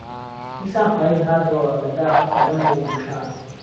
دیسان پاییز هاتهوه له داخ کهلهم و لووشان